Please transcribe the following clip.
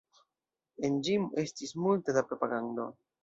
En ĝi estis multe da propagando.